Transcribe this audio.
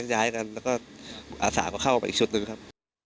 แล้วก็อาสาก็เข้าออกไปอีกชุดหนึ่งครับ